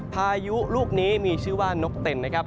พายุลูกนี้มีชื่อว่านกเต็นนะครับ